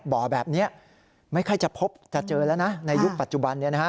บ่อแบบนี้ไม่ใครจะพบจะเจอแล้วนะในยุคปัจจุบัน